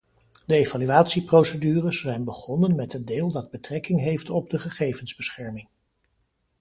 De evaluatieprocedures zijn begonnen met het deel dat betrekking heeft op de gegevensbescherming.